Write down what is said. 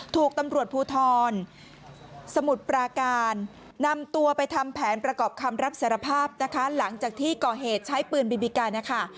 ถูกตำรวจภูทรสมุทรปราการนำตัวไปทำแผนประกอบคำรับสารภาพนะคะหลังจากที่ก่อเหตุใช้ปืนบีบีกันนะคะ